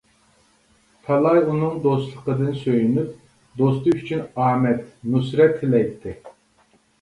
تالاي ئۇنىڭ دوستلۇقىدىن سۆيۈنۈپ، دوستى ئۈچۈن ئامەت، نۇسرەت تىلەيتتى.